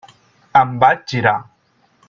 Em vaig girar.